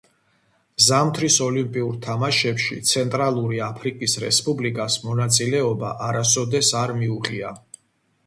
ზამთრის ოლიმპიურ თამაშებში ცენტრალური აფრიკის რესპუბლიკას მონაწილეობა არასოდეს არ მიუღია.